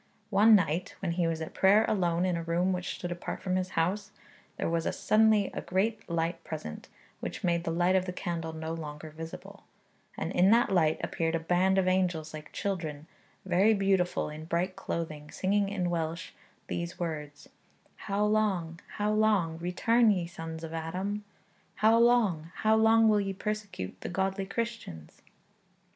One night, when he was at prayer alone in a room which stood apart from his house, there was suddenly a great light present, which made the light of the candle no longer visible. And in that light appeared a band of angels, like children, very beautiful in bright clothing, singing in Welsh these words: Pa hyd? Pa hyd? Dychwelwch feibion Adda! Pa hyd? Pa hyd yr erlidiwch y Cristnogion duwiol? How long? How long? Return ye sons of Adam! How long? How long will ye persecute the godly Christians?